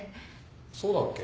そうだっけ？